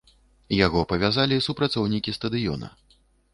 Яго павязалі супрацоўнікі стадыёна.